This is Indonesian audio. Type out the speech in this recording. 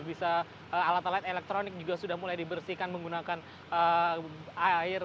bisa alat alat elektronik juga sudah mulai dibersihkan menggunakan air